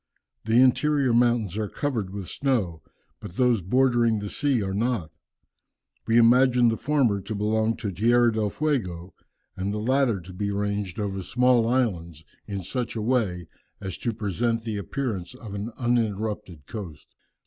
The interior mountains are covered with snow, but those bordering the sea are not. We imagined the former to belong to Tierra del Fuego, and the latter to be ranged over the small islands in such a way as to present the appearance of an uninterrupted coast."